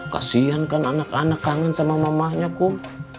kesian kan anak anak kangen sama mamanya kum